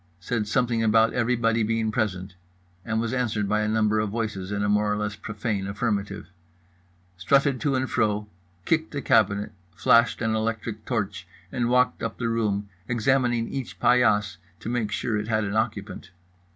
Said something about everybody being present, and was answered by a number of voices in a more or less profane affirmative. Strutted to and fro, kicked the cabinet, flashed an electric torch, and walked up the room examining each paillasse to make sure it had an occupant.